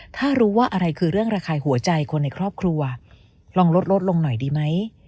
ถ้ารู้ว่าอะไรคือเรื่องระคายหัวใจคนในครอบครัวลองลดลดลงหน่อยดีไหม